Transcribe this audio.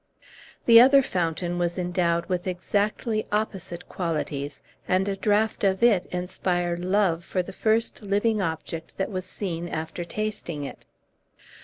The other fountain was endowed with exactly opposite qualities, and a draught of it inspired love for the first living object that was seen after tasting it.